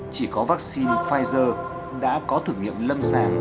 chỉ có vaccine pfizer đã có thử nghiệm lâm sàng